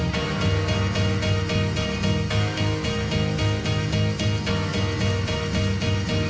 ก็เลยเพราะว่าอยากรับผิดชอบตรงนี้